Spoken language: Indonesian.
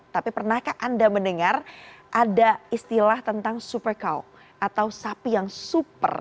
tapi pernahkah anda mendengar ada istilah tentang super cow atau sapi yang super